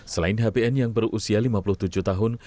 selain hbn yang berusia lima puluh tujuh tahun